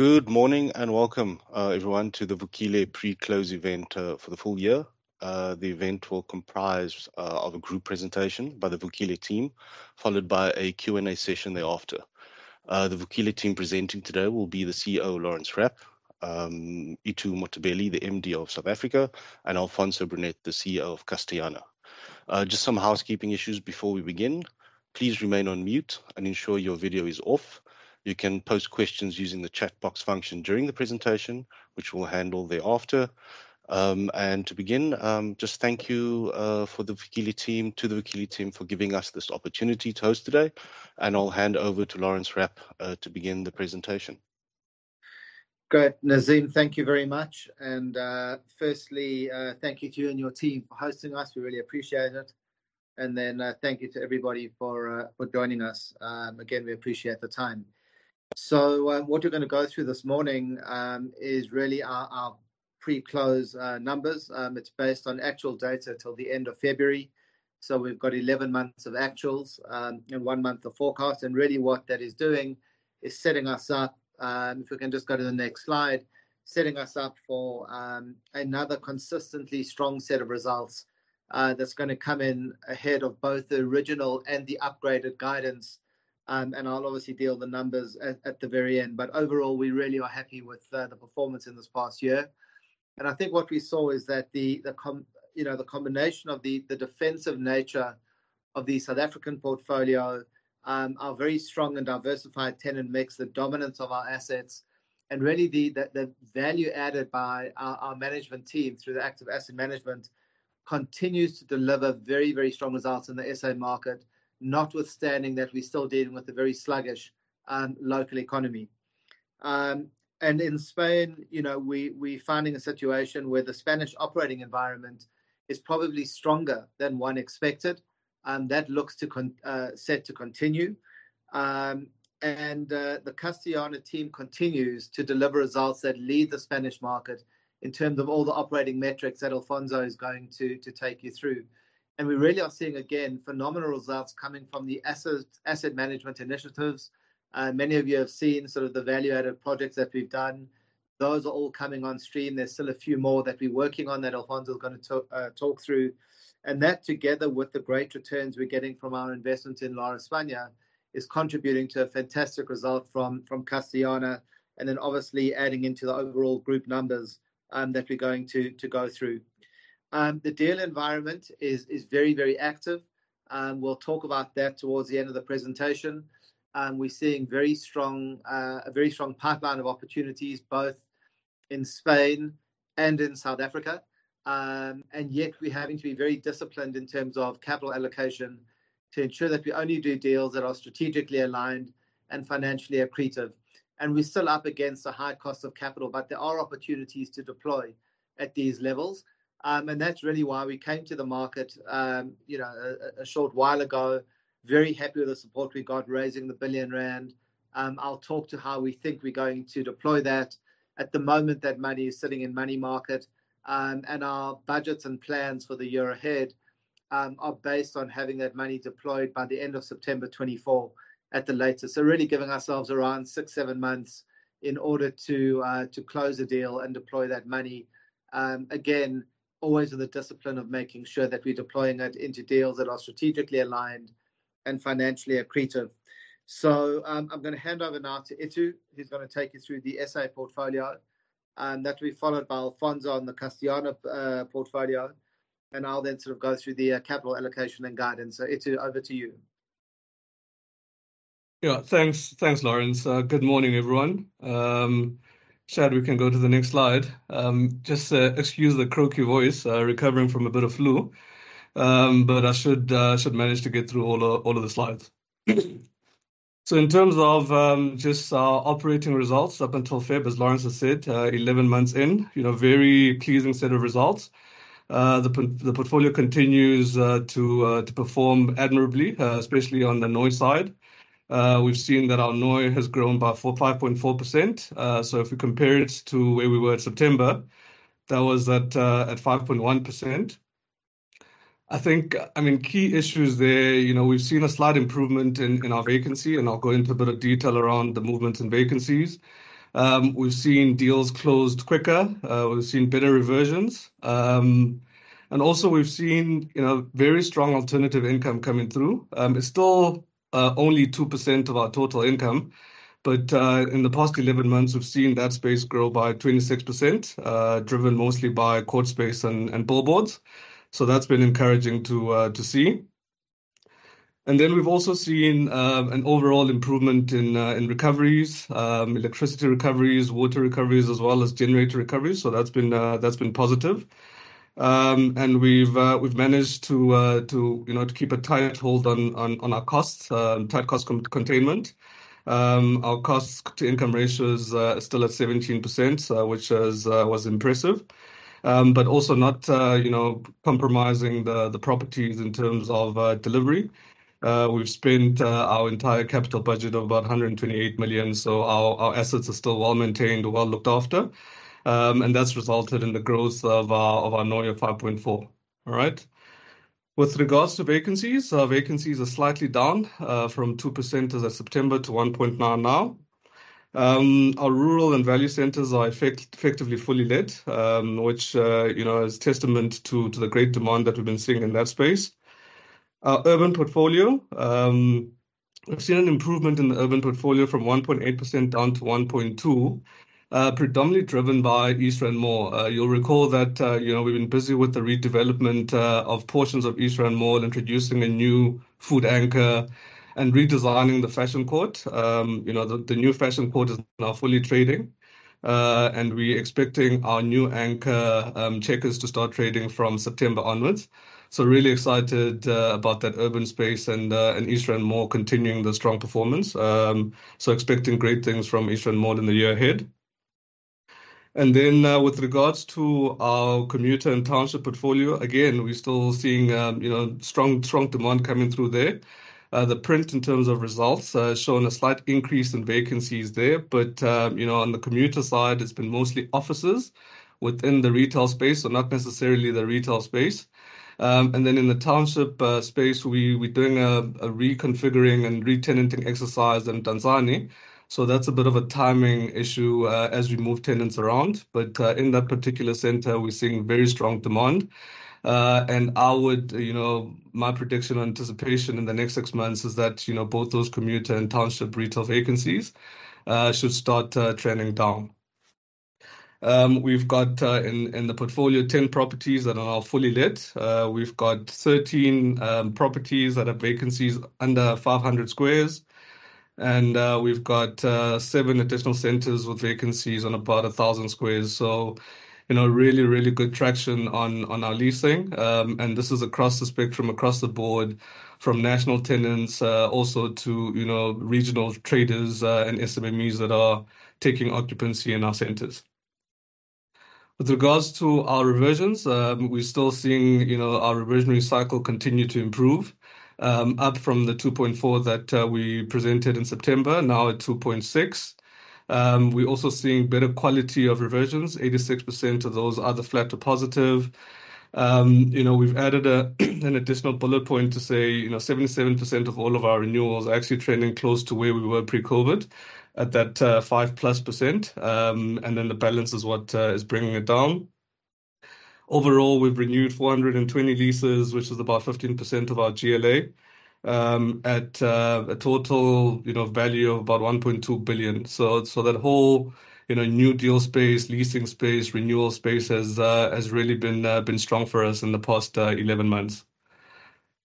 Good morning, and welcome, everyone, to the Vukile pre-close event for the full year. The event will comprise of a group presentation by the Vukile team, followed by a Q&A session thereafter. The Vukile team presenting today will be the CEO, Laurence Rapp, Itumeleng Mothibeli, the MD of South Africa, and Alfonso Brunet, the CEO of Castellana. Just some housekeeping issues before we begin. Please remain on mute and ensure your video is off. You can post questions using the chat box function during the presentation, which we will handle thereafter. To begin, just thank you to the Vukile team for giving us this opportunity to host today, and I will hand over to Laurence Rapp to begin the presentation. Great. Nazim, thank you very much. Firstly, thank you to you and your team for hosting us. We really appreciate it. Then, thank you to everybody for joining us. Again, we appreciate the time. What we are going to go through this morning is really our pre-close numbers. It is based on actual data till the end of February. We have got 11 months of actuals and one month of forecast. Really what that is doing is setting us up, if we can just go to the next slide, setting us up for another consistently strong set of results that is going to come in ahead of both the original and the upgraded guidance. I will obviously deal with the numbers at the very end. Overall, we really are happy with the performance in this past year. I think what we saw is that the combination of the defensive nature of the South African portfolio, our very strong and diversified tenant mix, the dominance of our assets, and really the value added by our management team through the active asset management, continues to deliver very, very strong results in the SA market, notwithstanding that we are still dealing with a very sluggish local economy. In Spain, we are finding a situation where the Spanish operating environment is probably stronger than one expected, and that looks set to continue. The Castellana team continues to deliver results that lead the Spanish market in terms of all the operating metrics that Alfonso is going to take you through. We really are seeing, again, phenomenal results coming from the asset management initiatives. Many of you have seen sort of the value-added projects that we have done. Those are all coming on stream. There is still a few more that we are working on that Alfonso is going to talk through. That, together with the great returns we are getting from our investment in Lar España, is contributing to a fantastic result from Castellana, and then obviously adding into the overall group numbers that we are going to go through. The deal environment is very, very active. We will talk about that towards the end of the presentation. We are seeing a very strong pipeline of opportunities, both in Spain and in South Africa. Yet we are having to be very disciplined in terms of capital allocation to ensure that we only do deals that are strategically aligned and financially accretive. We are still up against the high cost of capital, but there are opportunities to deploy at these levels. That's really why we came to the market a short while ago, very happy with the support we got raising the 1 billion rand. I'll talk to how we think we're going to deploy that. At the moment, that money is sitting in money market. Our budgets and plans for the year ahead are based on having that money deployed by the end of September 2024 at the latest. Really giving ourselves around six, seven months in order to close a deal and deploy that money. Again, always with the discipline of making sure that we're deploying it into deals that are strategically aligned and financially accretive. I'm going to hand over now to Itumeleng, who's going to take you through the SA portfolio. That will be followed by Alfonso on the Castellana portfolio. I'll then sort of go through the capital allocation and guidance. Itumeleng, over to you. Thanks, Laurence. Good morning, everyone. Shad, we can go to the next slide. Just excuse the croaky voice. Recovering from a bit of flu. I should manage to get through all of the slides. In terms of just our operating results up until February, as Laurence has said, 11 months in. Very pleasing set of results. The portfolio continues to perform admirably, especially on the NOI side. We've seen that our NOI has grown by 5.4%. If we compare it to where we were in September, that was at 5.1%. I think, key issues there, we've seen a slight improvement in our vacancy, and I'll go into a bit of detail around the movements and vacancies. We've seen deals closed quicker. We've seen better reversions. Also we've seen very strong alternative income coming through. It's still only 2% of our total income. In the past 11 months, we've seen that space grow by 26%, driven mostly by quad space and billboards. That's been encouraging to see. Then we've also seen an overall improvement in recoveries, electricity recoveries, water recoveries, as well as generator recoveries. That's been positive. We've managed to keep a tight hold on our costs, tight cost containment. Our cost to income ratio is still at 17%, which was impressive. Also not compromising the properties in terms of delivery. We've spent our entire capital budget of about 128 million. Our assets are still well maintained, well looked after. That's resulted in the growth of our NOI of 5.4%. All right? With regards to vacancies, our vacancies are slightly down from 2% as of September to 1.9% now. Our rural and value centers are effectively fully let, which is testament to the great demand that we've been seeing in that space. Our urban portfolio, we've seen an improvement in the urban portfolio from 1.8% down to 1.2%, predominantly driven by East Rand Mall. You'll recall that we've been busy with the redevelopment of portions of East Rand Mall, introducing a new food anchor and redesigning the fashion court. The new fashion court is now fully trading, and we're expecting our new anchor, Checkers, to start trading from September onwards. Really excited about that urban space and East Rand Mall continuing the strong performance. Expecting great things from East Rand Mall in the year ahead. With regards to our commuter and township portfolio, again, we're still seeing strong demand coming through there. The print in terms of results has shown a slight increase in vacancies there. On the commuter side, it's been mostly offices within the retail space, so not necessarily the retail space. In the township space, we're doing a reconfiguring and re-tenanting exercise in Mdantsane. That's a bit of a timing issue as we move tenants around. In that particular center, we're seeing very strong demand. My prediction or anticipation in the next six months is that both those commuter and township retail vacancies should start trending down. We've got, in the portfolio, 10 properties that are now fully let. We've got 13 properties that have vacancies under 500 squares, and we've got seven additional centers with vacancies on about 1,000 squares. Really good traction on our leasing. This is across the spectrum, across the board, from national tenants also to regional traders and SMMEs that are taking occupancy in our centers. With regards to our reversions, we're still seeing our reversion cycle continue to improve, up from the 2.4% that we presented in September, now at 2.6%. We're also seeing better quality of reversions: 86% of those are either flat to positive. We've added an additional bullet point to say 77% of all of our renewals are actually trending close to where we were pre-COVID, at that 5-plus percent, and then the balance is what is bringing it down. Overall, we've renewed 420 leases, which is about 15% of our GLA, at a total value of about 1.2 billion. That whole new deal space, leasing space, renewal space, has really been strong for us in the past 11 months.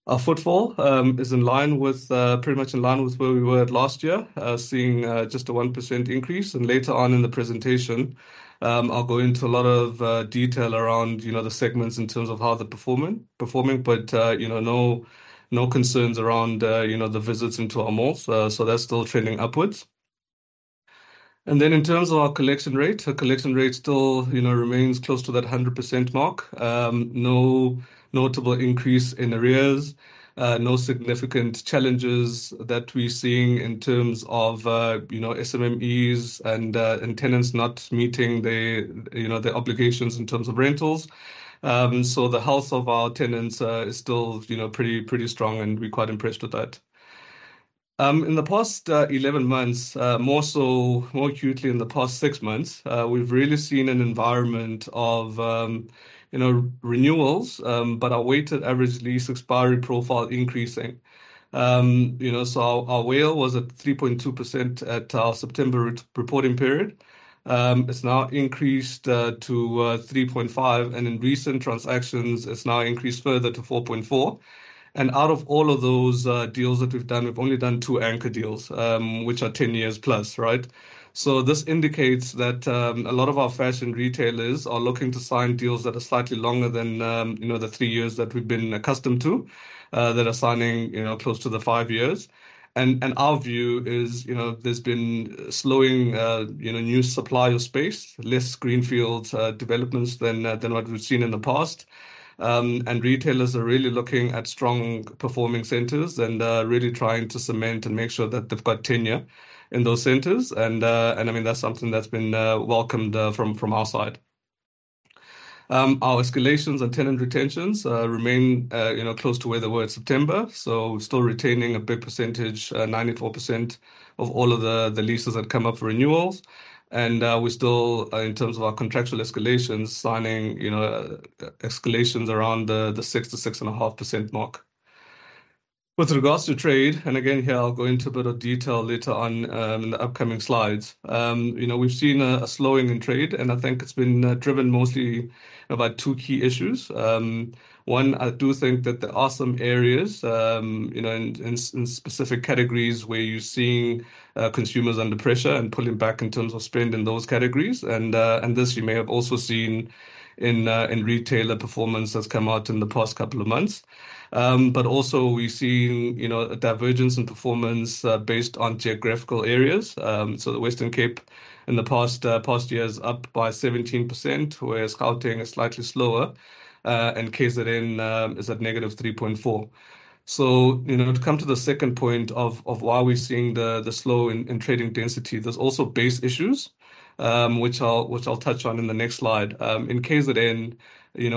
Our footfall is pretty much in line with where we were last year. Seeing just a 1% increase. Later on in the presentation, I'll go into a lot of detail around the segments in terms of how they're performing. No concerns around the visits into our malls. That's still trending upwards. In terms of our collection rate, our collection rate still remains close to that 100% mark. No notable increase in arrears. No significant challenges that we're seeing in terms of SMMEs and tenants not meeting their obligations in terms of rentals. The health of our tenants is still pretty strong, and we're quite impressed with that. In the past 11 months, more acutely in the past six months, we've really seen an environment of renewals, but our weighted average lease expiry profile increasing. Our WALE was at 3.2% at our September reporting period. It's now increased to 3.5%, and in recent transactions, it's now increased further to 4.4%. Out of all of those deals that we've done, we've only done two anchor deals, which are 10 years+. This indicates that a lot of our fashion retailers are looking to sign deals that are slightly longer than the three years that we've been accustomed to, that are signing close to the five years. Our view is there's been slowing new supply of space, less greenfield developments than what we've seen in the past. Retailers are really looking at strong-performing centers and really trying to cement and make sure that they've got tenure in those centers. That's something that's been welcomed from our side. Our escalations and tenant retentions remain close to where they were at September. We're still retaining a big percentage, 94%, of all of the leases that come up for renewals. We're still, in terms of our contractual escalations, signing escalations around the 6%-6.5% mark. With regards to trade, and again, here, I'll go into a bit of detail later on in the upcoming slides. We've seen a slowing in trade, and I think it's been driven mostly by two key issues. One, I do think that there are some areas, in specific categories, where you're seeing consumers under pressure and pulling back in terms of spend in those categories. This you may have also seen in retailer performance that's come out in the past couple of months. Also we've seen a divergence in performance based on geographical areas. The Western Cape in the past year is up by 17%, whereas Gauteng is slightly slower, and KZN is at -3.4%. To come to the second point of why we're seeing the slow in trading density, there's also base issues, which I'll touch on in the next slide. In KZN,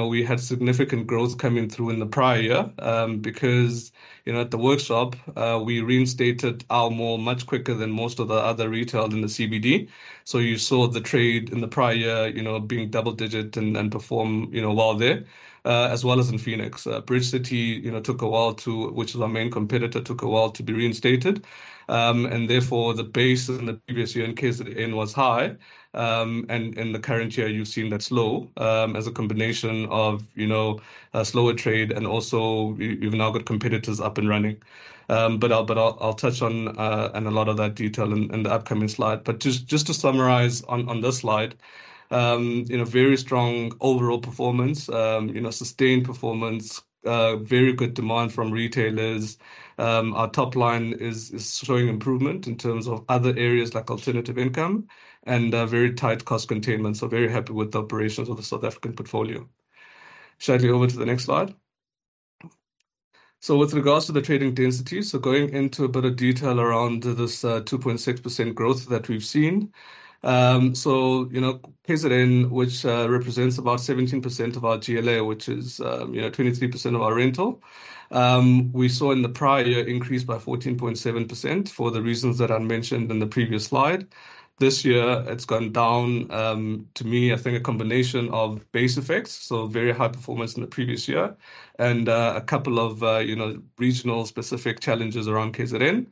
we had significant growth coming through in the prior year, because at the workshop, we reinstated our mall much quicker than most of the other retail in the CBD. You saw the trade in the prior year being double-digit and perform well there, as well as in Phoenix. Bridge City, which is our main competitor, took a while to be reinstated. Therefore, the base in the previous year in KZN was high. In the current year, you've seen that's low, as a combination of a slower trade and also we've now got competitors up and running. I'll touch on a lot of that detail in the upcoming slide. Just to summarize on this slide, very strong overall performance, sustained performance, very good demand from retailers. Our top line is showing improvement in terms of other areas like alternative income and very tight cost containment. Very happy with the operations of the South African portfolio. Shad, over to the next slide. With regards to the trading density, going into a bit of detail around this 2.6% growth that we've seen. KZN, which represents about 17% of our GLA, which is 23% of our rental, we saw in the prior year increase by 14.7% for the reasons that I mentioned in the previous slide. This year, it's gone down. To me, I think a combination of base effects, so very high performance in the previous year. A couple of regional specific challenges around KZN.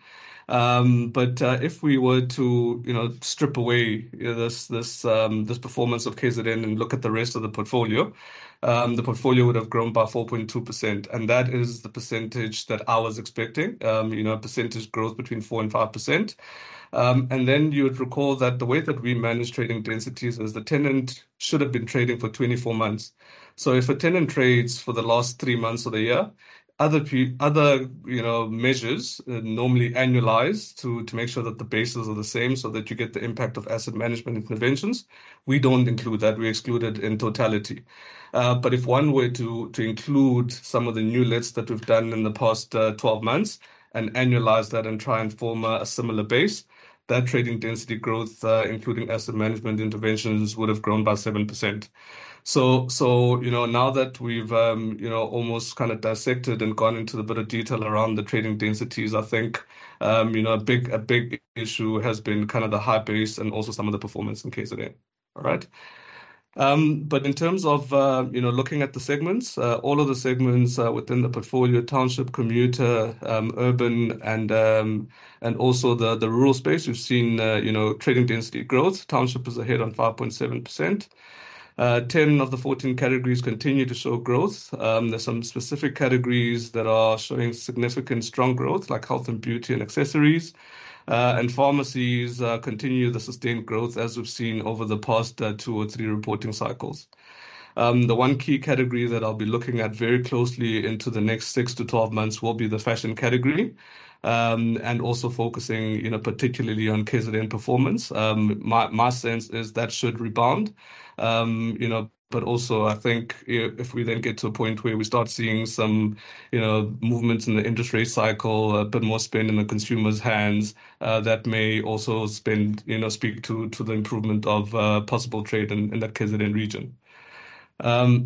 If we were to strip away this performance of KZN and look at the rest of the portfolio, the portfolio would have grown by 4.2%, and that is the percentage that I was expecting. A percentage growth between 4% and 5%. You would recall that the way that we manage trading densities is the tenant should have been trading for 24 months. If a tenant trades for the last three months of the year, other measures normally annualize to make sure that the bases are the same, so that you get the impact of asset management interventions. We don't include that. We exclude it in totality. If one were to include some of the new lets that we've done in the past 12 months and annualize that and try and form a similar base, that trading density growth, including asset management interventions, would have grown by 7%. Now that we've almost kind of dissected and gone into the bit of detail around the trading densities, I think a big issue has been kind of the high base and also some of the performance in KZN. All right. In terms of looking at the segments, all of the segments within the portfolio, township, commuter, urban, and also the rural space, we've seen trading density growth. Township is ahead on 5.7%. 10 of the 14 categories continue to show growth. There's some specific categories that are showing significant strong growth, like health and beauty and accessories. Pharmacies continue the sustained growth as we've seen over the past two or three reporting cycles. The one key category that I'll be looking at very closely into the next six to 12 months will be the fashion category. Also focusing particularly on KZN performance. My sense is that should rebound. Also I think if we then get to a point where we start seeing some movements in the industry cycle, a bit more spend in the consumer's hands, that may also speak to the improvement of possible trade in that KZN region.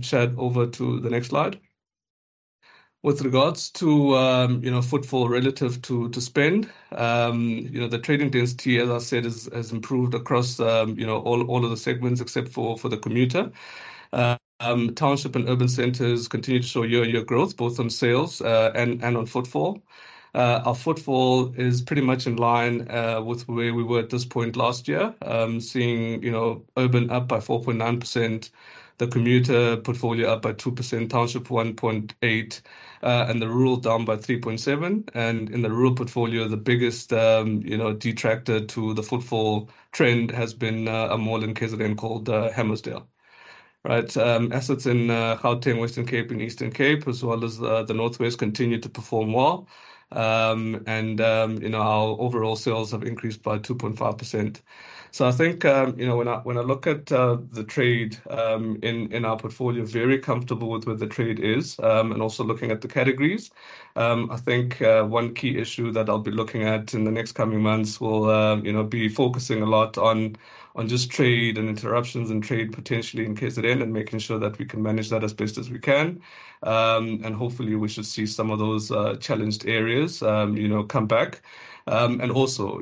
Shad, over to the next slide. With regards to footfall relative to spend, the trading density, as I said, has improved across all of the segments except for the commuter. Township and urban centers continue to show year-over-year growth, both on sales and on footfall. Our footfall is pretty much in line with where we were at this point last year, seeing urban up by 4.9%, the commuter portfolio up by 2%, township 1.8%, and the rural down by 3.7%. In the rural portfolio, the biggest detractor to the footfall trend has been a mall in KZN called Hammarsdale. Right. Assets in Gauteng, Western Cape and Eastern Cape, as well as the North West, continue to perform well. Our overall sales have increased by 2.5%. I think, when I look at the trade in our portfolio, very comfortable with where the trade is. Also looking at the categories. I think one key issue that I'll be looking at in the next coming months will be focusing a lot on just trade and interruptions in trade, potentially in KZN, and making sure that we can manage that as best as we can. Hopefully we should see some of those challenged areas come back. Also,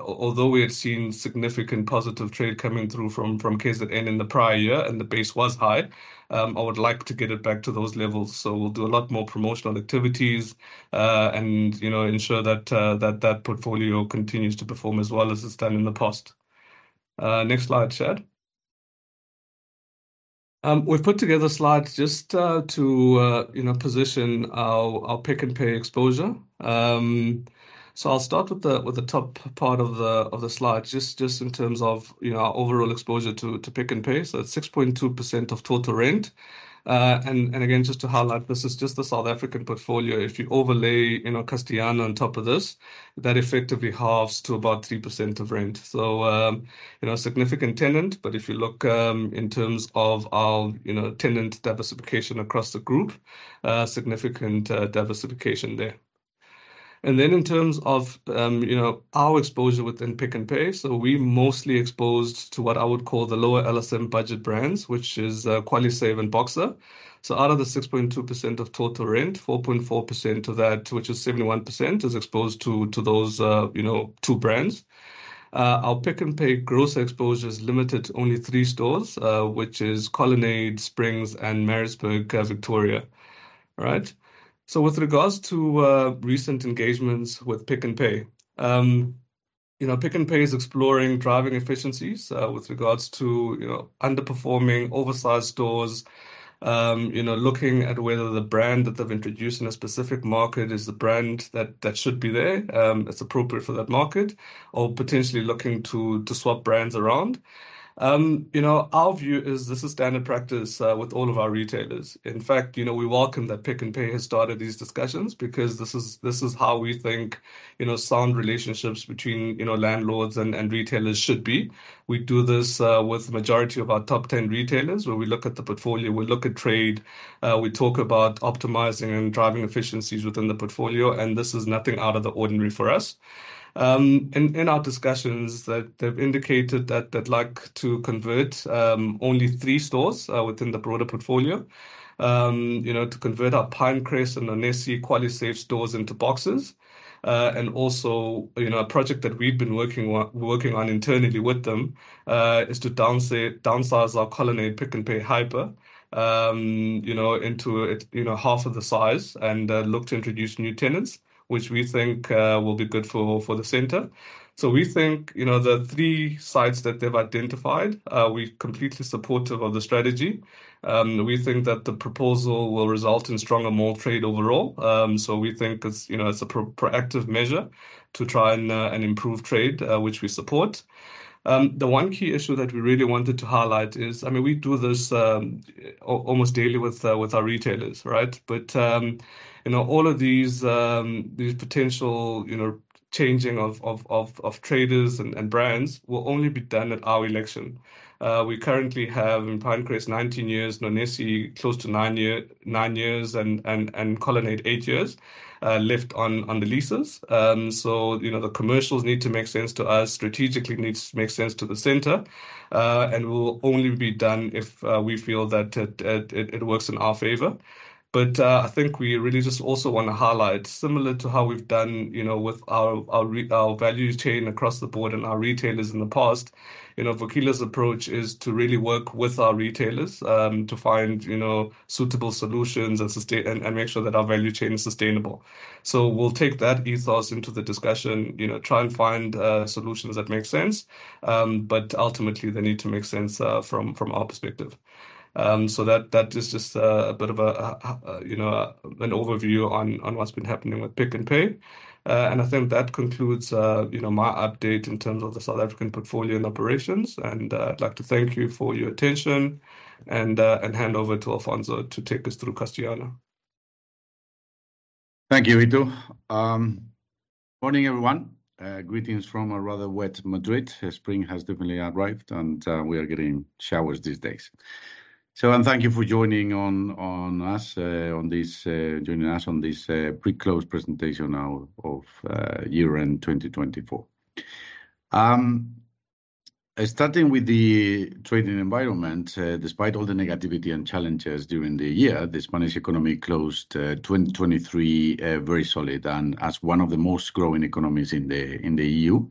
although we had seen significant positive trade coming through from KZN in the prior year and the base was high, I would like to get it back to those levels. We'll do a lot more promotional activities and ensure that that portfolio continues to perform as well as it's done in the past. Next slide, Shad. We've put together slides just to position our Pick n Pay exposure. I'll start with the top part of the slide, just in terms of our overall exposure to Pick n Pay. That's 6.2% of total rent. Again, just to highlight, this is just the South African portfolio. If you overlay Castellana on top of this, that effectively halves to about 3% of rent. A significant tenant. If you look in terms of our tenant diversification across the group, significant diversification there. Then in terms of our exposure within Pick n Pay, we're mostly exposed to what I would call the lower LSM budget brands, which is QualiSave and Boxer. Out of the 6.2% of total rent, 4.4% of that, which is 71%, is exposed to those two brands. Our Pick n Pay gross exposure is limited to only three stores, which is Colonnade, Springs and Pietermaritzburg, Victoria. All right? With regards to recent engagements with Pick n Pay, Pick n Pay is exploring driving efficiencies with regards to underperforming, oversized stores. Looking at whether the brand that they've introduced in a specific market is the brand that should be there, that's appropriate for that market, or potentially looking to swap brands around. Our view is this is standard practice with all of our retailers. In fact, we welcome that Pick n Pay has started these discussions because this is how we think sound relationships between landlords and retailers should be. We do this with the majority of our top 10 retailers, where we look at the portfolio, we look at trade, we talk about optimizing and driving efficiencies within the portfolio, and this is nothing out of the ordinary for us. In our discussions, they've indicated that they'd like to convert only three stores within the broader portfolio. To convert our Pine Crest and Nonesi QualiSave stores into Boxers. Also, a project that we've been working on internally with them, is to downsize our Colonnade Pick n Pay Hyper into half of the size and look to introduce new tenants, which we think will be good for the center. We think, the three sites that they've identified, we're completely supportive of the strategy. We think that the proposal will result in stronger, more trade overall. We think it's a proactive measure to try and improve trade, which we support. The one key issue that we really wanted to highlight is, we do this almost daily with our retailers, right? All of these potential changing of traders and brands will only be done at our election. We currently have in Pine Crest, 19 years, Nonesi, close to nine years and Colonnade, eight years left on the leases. The commercials need to make sense to us, strategically needs to make sense to the center, and will only be done if we feel that it works in our favor. I think we really just also want to highlight, similar to how we've done with our value chain across the board and our retailers in the past, Vukile's approach is to really work with our retailers, to find suitable solutions and make sure that our value chain is sustainable. We'll take that ethos into the discussion, try and find solutions that make sense. Ultimately they need to make sense from our perspective. That is just a bit of an overview on what's been happening with Pick n Pay. I think that concludes my update in terms of the South African portfolio and operations, and I'd like to thank you for your attention and hand over to Alfonso to take us through Castellana. Thank you, Itumeleng. Morning, everyone. Greetings from a rather wet Madrid. Spring has definitely arrived, and we are getting showers these days. Thank you for joining us on this pre-close presentation now of year-end 2024. Starting with the trading environment, despite all the negativity and challenges during the year, the Spanish economy closed 2023 very solid and as one of the most growing economies in the EU.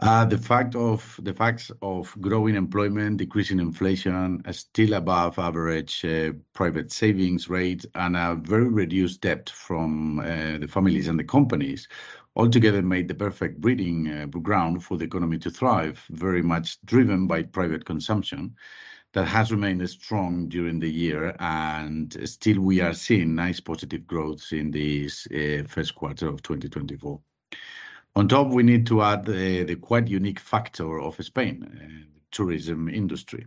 The facts of growing employment, decreasing inflation, still above average private savings rate, and a very reduced debt from the families and the companies altogether made the perfect breeding ground for the economy to thrive, very much driven by private consumption that has remained strong during the year. Still we are seeing nice positive growth in this first quarter of 2024. On top, we need to add the quite unique factor of Spain tourism industry.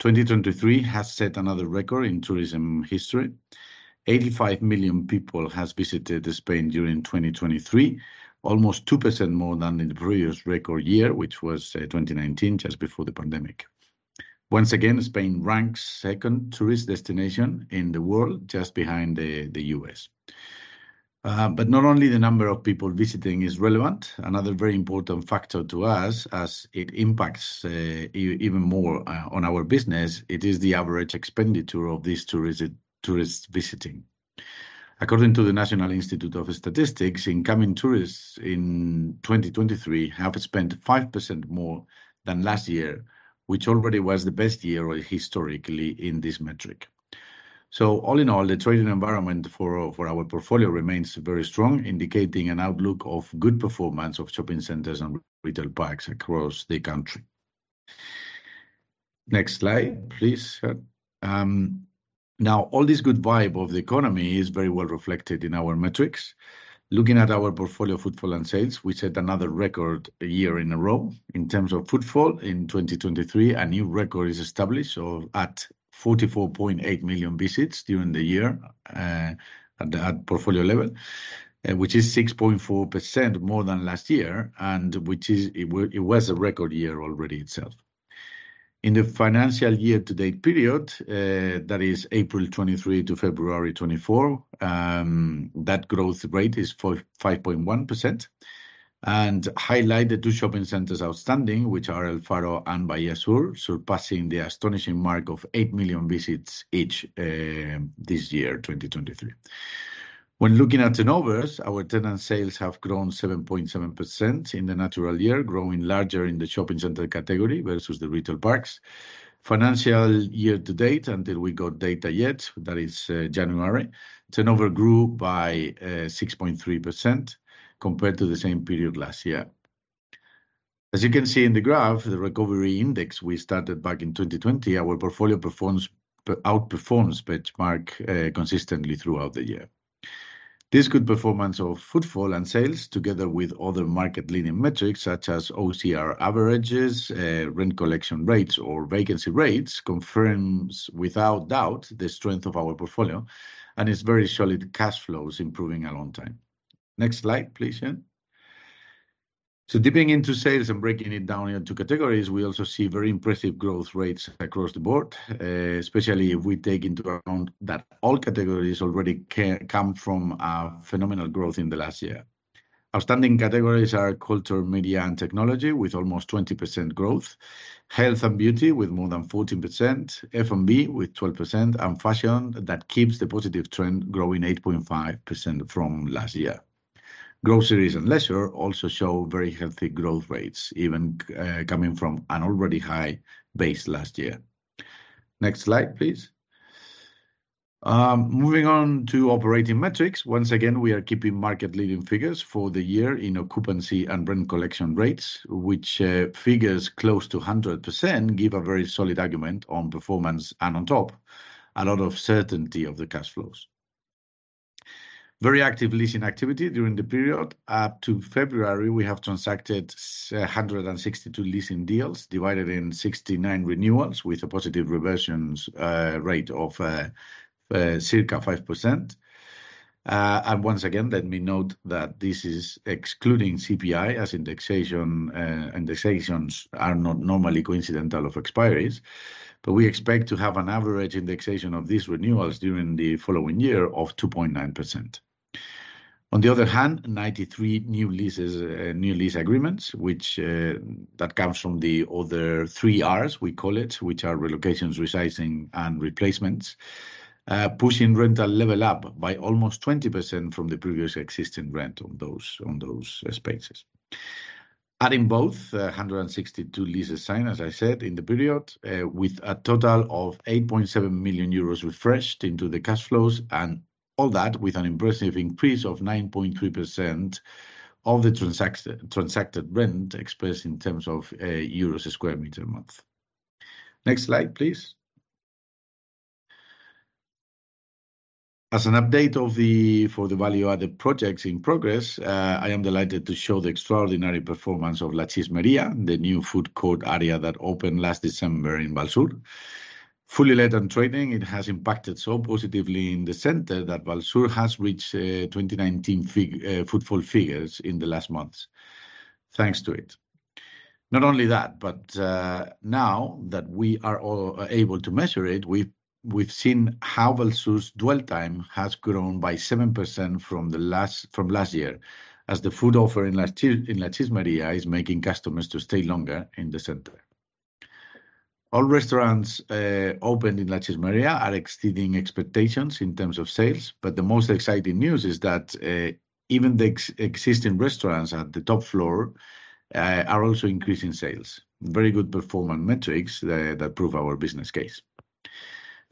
2023 has set another record in tourism history. 85 million people have visited Spain during 2023, almost 2% more than in the previous record year, which was 2019, just before the pandemic. Once again, Spain ranks second tourist destination in the world, just behind the U.S. Not only the number of people visiting is relevant, another very important factor to us as it impacts even more on our business, it is the average expenditure of these tourists visiting. According to the National Statistics Institute, incoming tourists in 2023 have spent 5% more than last year, which already was the best year historically in this metric. All in all, the trading environment for our portfolio remains very strong, indicating an outlook of good performance of shopping centers and retail parks across the country. Next slide, please. All this good vibe of the economy is very well reflected in our metrics. Looking at our portfolio footfall and sales, we set another record year in a row in terms of footfall. In 2023, a new record is established at 44.8 million visits during the year at portfolio level, which is 6.4% more than last year and it was a record year already itself. In the financial year-to-date period, that is April 2023 to February 2024, that growth rate is 5.1% and highlight the two shopping centers outstanding, which are El Faro and Bahía Sur, surpassing the astonishing mark of 8 million visits each this year, 2023. When looking at turnovers, our tenant sales have grown 7.7% in the natural year, growing larger in the shopping center category versus the retail parks. Financial year to date, until we got data yet, that is January, turnover grew by 6.3% compared to the same period last year. As you can see in the graph, the recovery index we started back in 2020, our portfolio outperforms benchmark consistently throughout the year. This good performance of footfall and sales, together with other market leading metrics such as OCR averages, rent collection rates or vacancy rates, confirms without doubt the strength of our portfolio and its very solid cash flows improving along time. Next slide, please. Dipping into sales and breaking it down into categories, we also see very impressive growth rates across the board, especially if we take into account that all categories already come from a phenomenal growth in the last year. Outstanding categories are culture, media and technology with almost 20% growth, health and beauty with more than 14%, F&B with 12%, and fashion that keeps the positive trend growing 8.5% from last year. Groceries and leisure also show very healthy growth rates, even coming from an already high base last year. Next slide, please. Moving on to operating metrics. Once again, we are keeping market leading figures for the year in occupancy and rent collection rates, which figures close to 100% give a very solid argument on performance and on top a lot of certainty of the cash flows. Very active leasing activity during the period. Up to February, we have transacted 162 leasing deals divided in 69 renewals with a positive reversions rate of circa 5%. Once again, let me note that this is excluding CPI as indexations are not normally coincidental of expiries, but we expect to have an average indexation of these renewals during the following year of 2.9%. On the other hand, 93 new lease agreements, that comes from the other three Rs we call it, which are relocations, resizing and replacements pushing rental level up by almost 20% from the previous existing rent on those spaces. Adding both 162 leases signed, as I said, in the period, with a total of 8.7 million euros refreshed into the cash flows and all that with an impressive increase of 9.3% of the transacted rent expressed in terms of euros a square meter a month. Next slide, please. As an update for the value added projects in progress, I am delighted to show the extraordinary performance of L'Eixida, the new food court area that opened last December in Vallsur. Fully let and trading, it has impacted so positively in the center that Vallsur has reached 2019 footfall figures in the last months thanks to it. Not only that, but now that we are all able to measure it, we've seen how Vallsur's dwell time has grown by 7% from last year as the food offer in L'Eixida is making customers to stay longer in the center. All restaurants opened in L'Eixida are exceeding expectations in terms of sales, but the most exciting news is that even the existing restaurants at the top floor are also increasing sales. Very good performance metrics that prove our business case.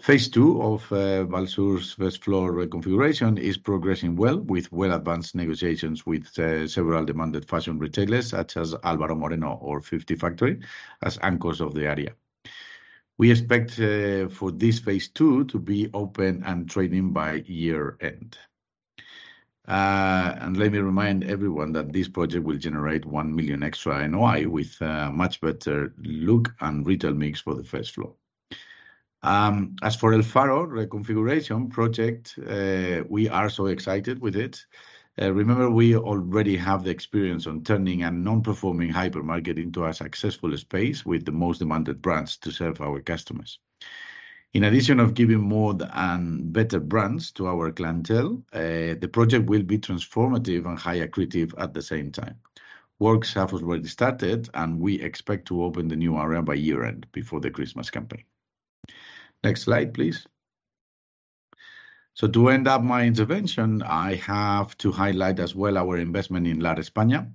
Phase 2 of Vallsur's first-floor reconfiguration is progressing well with well advanced negotiations with several demanded fashion retailers such as Álvaro Moreno or Fifty Factory as anchors of the area. We expect for this phase 2 to be open and trading by year-end. Let me remind everyone that this project will generate 1 million extra NOI with a much better look and retail mix for the first floor. As for El Faro reconfiguration project, we are so excited with it. Remember, we already have the experience on turning a non-performing hypermarket into a successful space with the most demanded brands to serve our customers. In addition of giving more and better brands to our clientele, the project will be transformative and high accretive at the same time. Works have already started and we expect to open the new area by year-end before the Christmas campaign. Next slide, please. To end up my intervention, I have to highlight as well our investment in Lar España.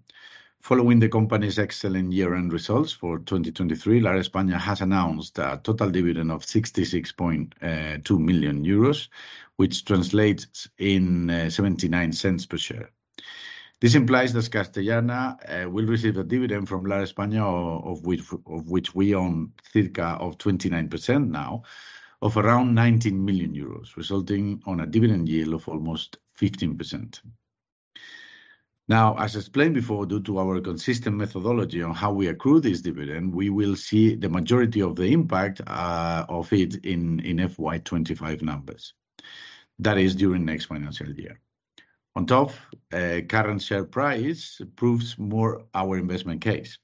Following the company's excellent year-end results for 2023, Lar España has announced a total dividend of 66.2 million euros, which translates in 0.79 per share. This implies that Castellana will receive a dividend from Lar España, of which we own circa of 29% now, of around 19 million euros, resulting on a dividend yield of almost 15%. As explained before, due to our consistent methodology on how we accrue this dividend, we will see the majority of the impact of it in FY 2025 numbers. That is during next financial year. On top, current share price proves more our investment case.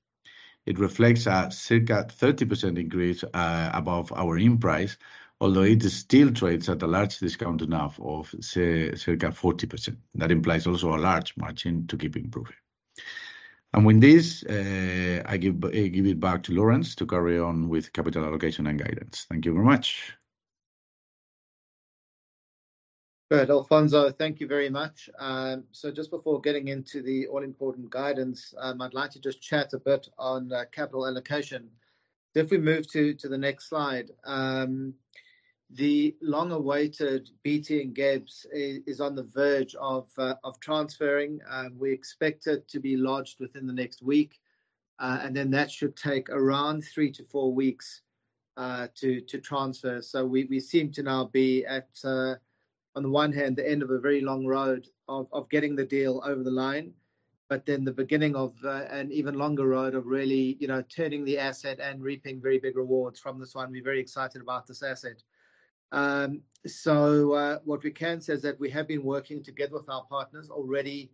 It reflects a circa 30% increase above our in price, although it still trades at a large discount now of circa 40%. That implies also a large margin to keep improving. With this, I give it back to Laurence to carry on with capital allocation and guidance. Thank you very much. Good. Alfonso, thank you very much. Just before getting into the all important guidance, I'd like to just chat a bit on capital allocation. If we move to the next slide. The long-awaited BT Ngebs City is on the verge of transferring. We expect it to be lodged within the next week, and that should take around 3 to 4 weeks to transfer. We seem to now be at, on the one hand, the end of a very long road of getting the deal over the line, the beginning of an even longer road of really turning the asset and reaping very big rewards from this one. We're very excited about this asset. What we can say is that we have been working together with our partners already,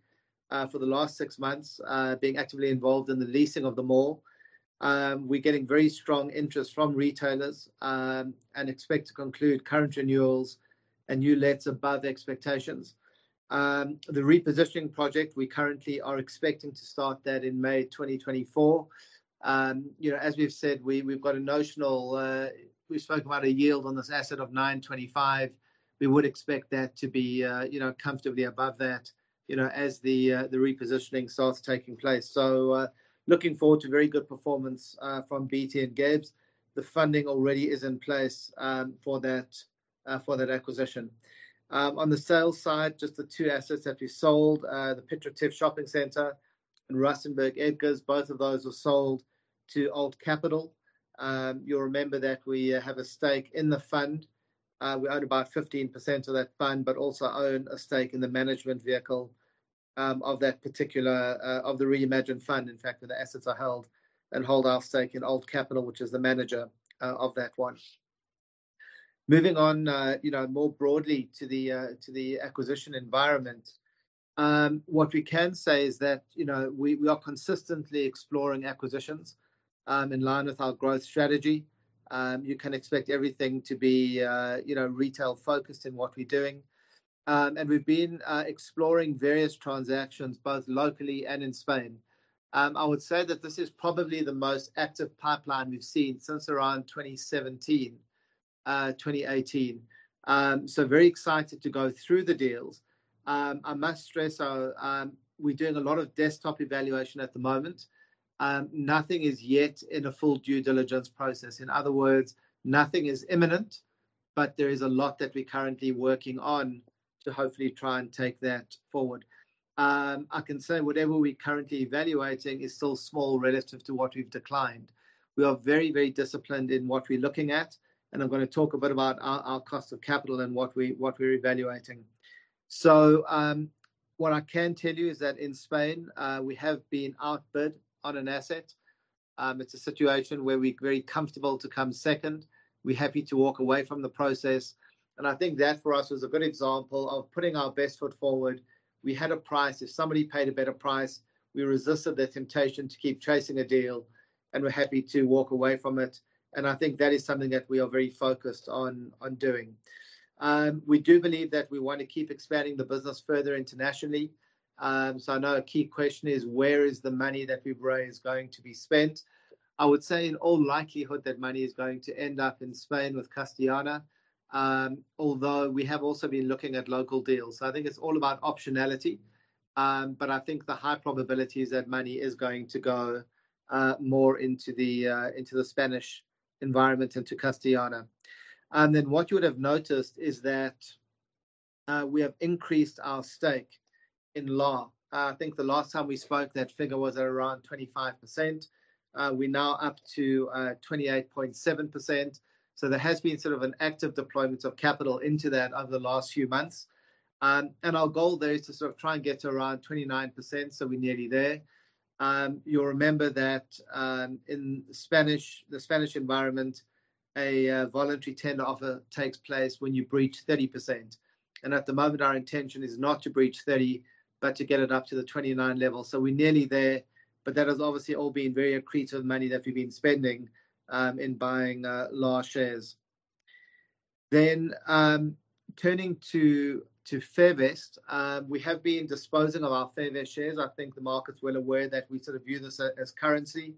for the last six months, being actively involved in the leasing of the mall. We're getting very strong interest from retailers, and expect to conclude current renewals and new lets above expectations. The repositioning project, we currently are expecting to start that in May 2024. As we've said, we've spoke about a yield on this asset of 925. We would expect that to be comfortably above that as the repositioning starts taking place. Looking forward to very good performance from BT Ngebs City. The funding already is in place for that acquisition. On the sales side, just the two assets that we sold, the Piet Retief Shopping Centre and Rustenburg Edgars, both of those were sold to Alt Capital. You'll remember that we have a stake in the fund. We own about 15% of that fund, but also own a stake in the management vehicle of the reimagined fund, in fact, where the assets are held and hold our stake in Alt Capital, which is the manager of that one. Moving on more broadly to the acquisition environment. What we can say is that we are consistently exploring acquisitions, in line with our growth strategy. You can expect everything to be retail focused in what we're doing. We've been exploring various transactions both locally and in Spain. I would say that this is probably the most active pipeline we've seen since around 2017, 2018. Very excited to go through the deals. I must stress, we're doing a lot of desktop evaluation at the moment. Nothing is yet in a full due diligence process. In other words, nothing is imminent, but there is a lot that we're currently working on to hopefully try and take that forward. I can say whatever we're currently evaluating is still small relative to what we've declined. We are very disciplined in what we're looking at, I'm going to talk a bit about our cost of capital and what we're evaluating. What I can tell you is that in Spain, we have been outbid on an asset. It's a situation where we're very comfortable to come second. We're happy to walk away from the process. I think that, for us, was a good example of putting our best foot forward. We had a price. If somebody paid a better price, we resisted the temptation to keep chasing a deal, and we're happy to walk away from it. I think that is something that we are very focused on doing. We do believe that we want to keep expanding the business further internationally. I know a key question is: Where is the money that we've raised going to be spent? I would say in all likelihood, that money is going to end up in Spain with Castellana. Although, we have also been looking at local deals. I think it's all about optionality. I think the high probability is that money is going to go more into the Spanish environment, into Castellana. Then what you would have noticed is that we have increased our stake in LAR. I think the last time we spoke, that figure was around 25%. We're now up to 28.7%. There has been sort of an active deployment of capital into that over the last few months. Our goal there is to sort of try and get to around 29%, so we're nearly there. You'll remember that in the Spanish environment, a voluntary tender offer takes place when you breach 30%. At the moment, our intention is not to breach 30, but to get it up to the 29 level. We're nearly there, but that has obviously all been very accretive money that we've been spending in buying LAR shares. Turning to Fairvest. We have been disposing of our Fairvest shares. I think the market's well aware that we sort of view this as currency.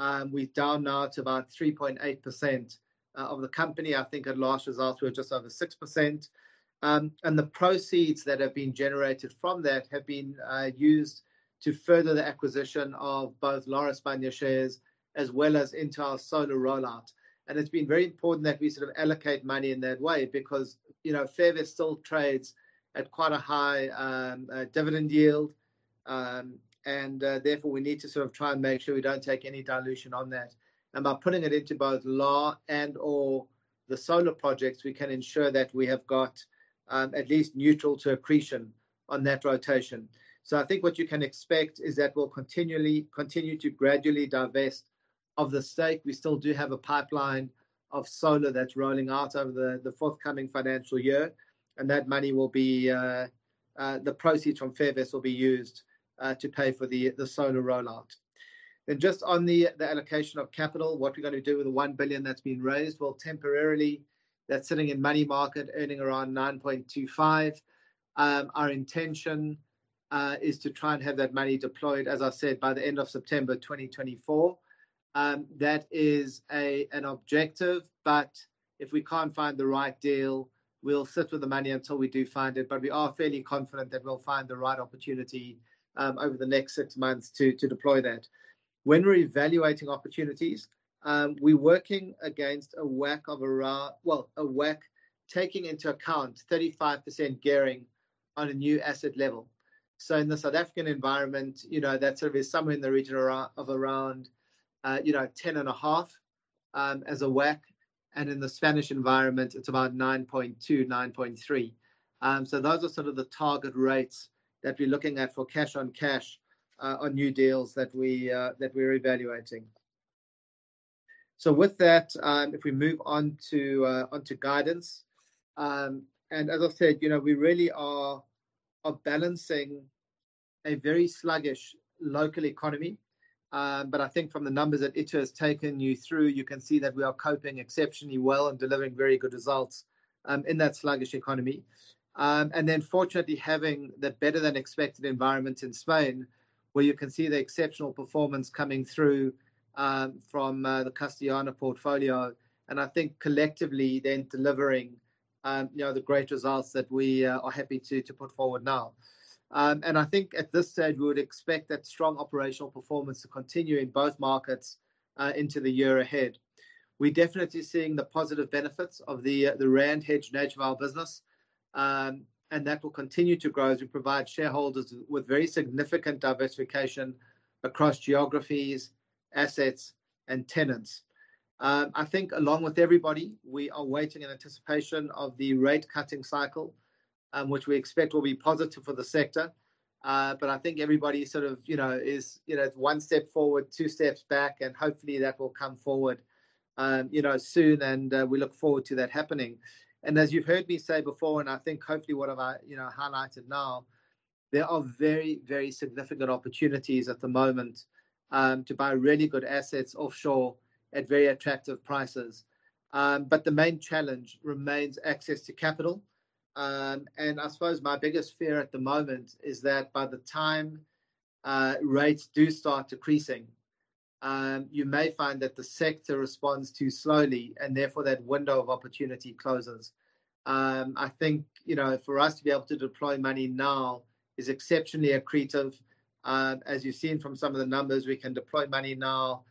We're down now to about 3.8% of the company, I think at last results we were just under 6%. The proceeds that have been generated from that have been used to further the acquisition of both Lar España shares as well as into our solar rollout. It's been very important that we allocate money in that way because Fairvest still trades at quite a high dividend yield. Therefore, we need to try and make sure we don't take any dilution on that. By putting it into both Lar and/or the solar projects, we can ensure that we have got at least neutral to accretion on that rotation. I think what you can expect is that we'll continue to gradually divest of the stake. We still do have a pipeline of solar that's rolling out over the forthcoming financial year. The proceeds from Fairvest will be used to pay for the solar rollout. Just on the allocation of capital, what we're going to do with the 1 billion that's been raised. Well, temporarily, that's sitting in money market earning around 9.25. Our intention is to try and have that money deployed, as I said, by the end of September 2024. That is an objective, but if we can't find the right deal, we'll sit with the money until we do find it. We are fairly confident that we'll find the right opportunity over the next six months to deploy that. When we're evaluating opportunities, we're working against a WACC taking into account 35% gearing on a new asset level. In the South African environment, that is somewhere in the region of around 10.5 as a WACC, and in the Spanish environment, it's about 9.2, 9.3. Those are sort of the target rates that we're looking at for cash on cash on new deals that we're evaluating. With that, if we move on to guidance. As I've said, we really are balancing a very sluggish local economy. I think from the numbers that Itu has taken you through, you can see that we are coping exceptionally well and delivering very good results in that sluggish economy. Fortunately, having that better than expected environment in Spain, where you can see the exceptional performance coming through from the Castellana portfolio. I think collectively then delivering the great results that we are happy to put forward now. I think at this stage, we would expect that strong operational performance to continue in both markets into the year ahead. We're definitely seeing the positive benefits of the rand hedge nature of our business. That will continue to grow as we provide shareholders with very significant diversification across geographies, assets, and tenants. I think along with everybody, we are waiting in anticipation of the rate cutting cycle, which we expect will be positive for the sector. I think everybody is one step forward, two steps back, and hopefully that will come forward soon and we look forward to that happening. As you've heard me say before, and I think hopefully what I've highlighted now, there are very, very significant opportunities at the moment to buy really good assets offshore at very attractive prices. The main challenge remains access to capital. I suppose my biggest fear at the moment is that by the time rates do start decreasing, you may find that the sector responds too slowly and therefore that window of opportunity closes. I think for us to be able to deploy money now is exceptionally accretive. As you've seen from some of the numbers, we can deploy money now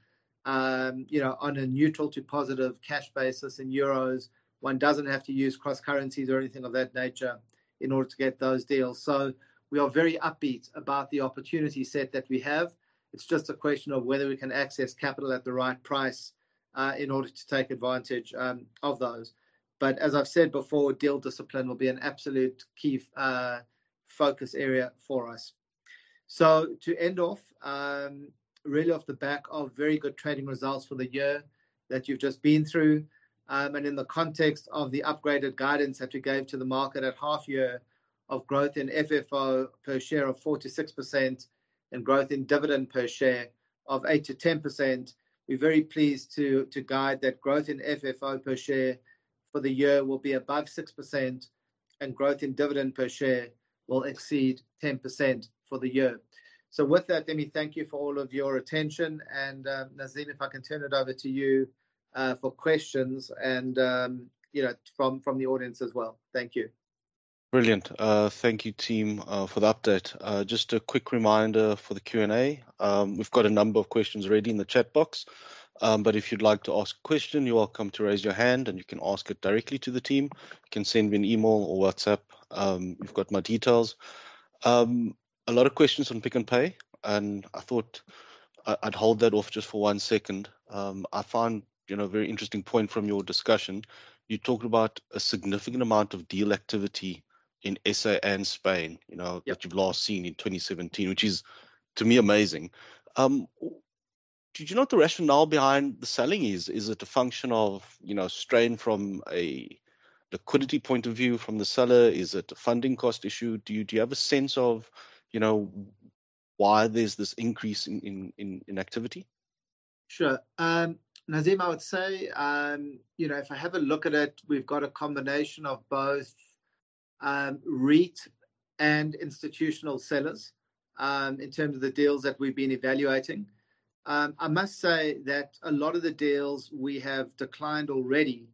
on a neutral to positive cash basis in EUR. One doesn't have to use cross currencies or anything of that nature in order to get those deals. We are very upbeat about the opportunity set that we have. It's just a question of whether we can access capital at the right price in order to take advantage of those. As I've said before, deal discipline will be an absolute key focus area for us. To end off, really off the back of very good trading results for the year that you've just been through. In the context of the upgraded guidance that we gave to the market at half year of growth in FFO per share of 46% and growth in dividend per share of 8% to 10%. We're very pleased to guide that growth in FFO per share for the year will be above 6% and growth in dividend per share will exceed 10% for the year. With that, let me thank you for all of your attention and Nazim, if I can turn it over to you for questions and from the audience as well. Thank you. Brilliant. Thank you team for the update. Just a quick reminder for the Q&A. We've got a number of questions already in the chat box. If you'd like to ask a question, you're welcome to raise your hand and you can ask it directly to the team. You can send me an email or WhatsApp. You've got my details. A lot of questions on Pick n Pay, and I thought I'd hold that off just for one second. I found a very interesting point from your discussion. You talked about a significant amount of deal activity in S.A. and Spain that you've last seen in 2017, which is, to me, amazing. Do you know what the rationale behind the selling is? Is it a function of strain from a liquidity point of view from the seller? Is it a funding cost issue? Do you have a sense of why there's this increase in activity? Sure. Nazim, I would say, if I have a look at it, we've got a combination of both REIT and institutional sellers in terms of the deals that we've been evaluating. I must say that a lot of the deals we have declined already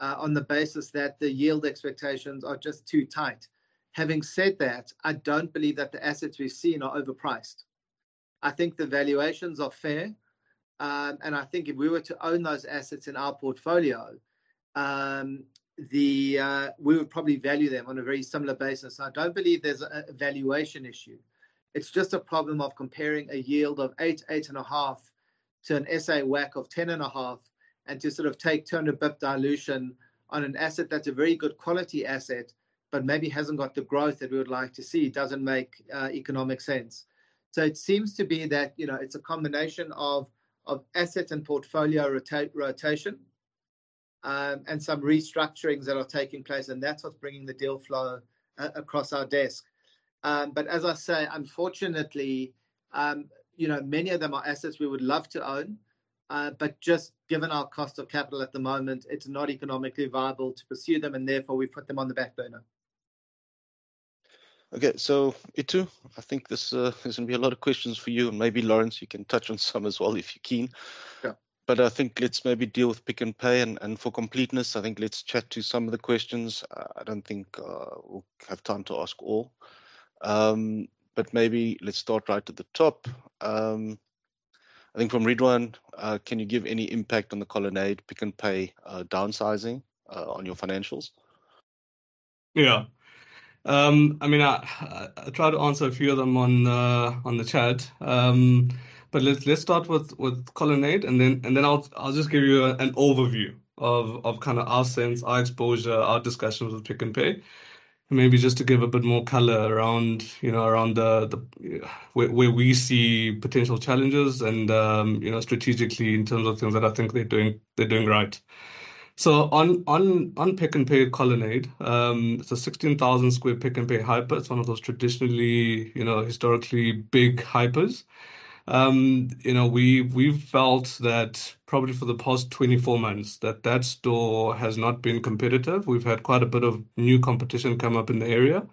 on the basis that the yield expectations are just too tight. Having said that, I don't believe that the assets we've seen are overpriced. I think the valuations are fair, and I think if we were to own those assets in our portfolio, we would probably value them on a very similar basis. I don't believe there's a valuation issue. It's just a problem of comparing a yield of eight and a half to an SA WACC of 10 and a half and to take 200 basis points dilution on an asset that's a very good quality asset, but maybe hasn't got the growth that we would like to see, doesn't make economic sense. It seems to be that it's a combination of asset and portfolio rotation, and some restructurings that are taking place, and that's what's bringing the deal flow across our desk. As I say, unfortunately, many of them are assets we would love to own. Just given our cost of capital at the moment, it's not economically viable to pursue them, and therefore, we put them on the back burner. Okay. Itumeleng, I think there's going to be a lot of questions for you, and maybe Laurence, you can touch on some as well, if you're keen. Yeah. I think let's maybe deal with Pick n Pay. For completeness, I think let's chat to some of the questions. I don't think we'll have time to ask all. Maybe let's start right at the top. I think from Ridwan, can you give any impact on the Colonnade Pick n Pay downsizing on your financials? Yeah. I tried to answer a few of them on the chat. Let's start with Colonnade. Then I'll just give you an overview of our sense, our exposure, our discussions with Pick n Pay. Maybe just to give a bit more color around where we see potential challenges and strategically in terms of things that I think they're doing right. On Pick n Pay Colonnade, it's a 16,000 square Pick n Pay hyper. It's one of those traditionally, historically big hypers. We've felt that probably for the past 24 months that that store has not been competitive. We've had quite a bit of new competition come up in the area.